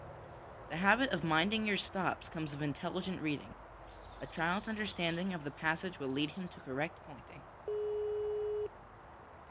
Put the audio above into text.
The habit of ' minding your stops ' comes of intelli gent reading. A child's understanding of the passage will lead him to correct pointing.